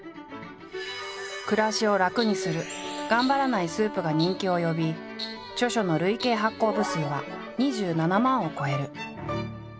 暮らしを楽にする頑張らないスープが人気を呼び著書の累計発行部数は２７万を超える。